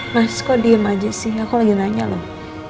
mas kok diem aja sih aku lagi nanya loh